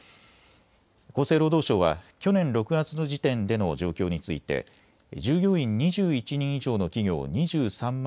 厚生労働省は去年６月の時点での状況について従業員２１人以上の企業２３万